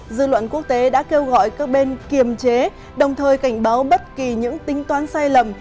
dư luận quốc tế đã kêu gọi các bên kiềm chế đồng thời cảnh báo bất kỳ những tính toán sai lầm